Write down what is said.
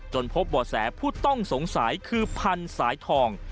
พบบ่อแสผู้ต้องสงสัยคือพันธุ์สายทอง